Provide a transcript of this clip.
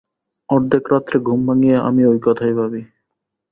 অর্ধেক রাত্রে ঘুম ভাঙিয়া আমি ঐ কথাই ভাবি।